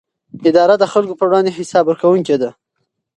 اداره د خلکو پر وړاندې حساب ورکوونکې ده.